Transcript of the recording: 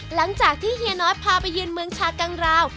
หลังจากที่เฮียน้อยพาไปยืนเมืองชากังราว